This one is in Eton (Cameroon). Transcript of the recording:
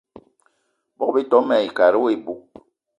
Bogb-ito mayi wo kat iboug.